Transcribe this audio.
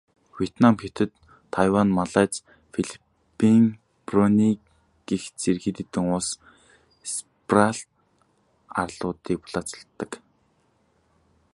Вьетнам, Хятад, Тайвань, Малайз, Филиппин, Бруней зэрэг хэд хэдэн улс Спратл арлуудыг булаацалддаг.